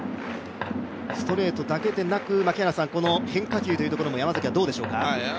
ストレートだけではなくこの変化球というところも山崎はどうでしょうか？